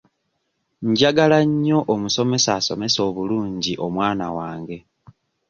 Njagala nnyo omusomesa asomesa obulungi omwana wange.